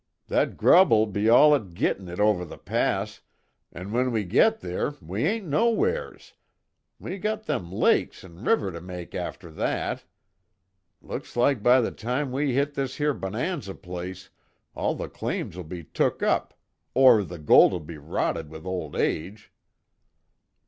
That grub'll all be et gittin' it over the pass, an' when we git there, we ain't nowheres we got them lakes an' river to make after that. Looks like by the time we hit this here Bonanza place all the claims will be took up, or the gold'll be rotted with old age."